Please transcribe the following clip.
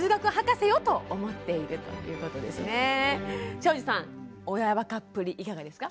庄司さん親バカっぷりいかがですか？